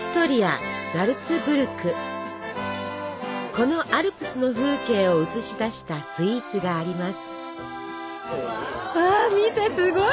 このアルプスの風景を映し出したスイーツがあります。